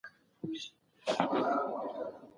دا اپلیکیشن ستاسو ملګری دی.